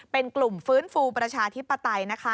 เป็นกลุ่มฟื้นฟูประชาธิปไตยนะคะ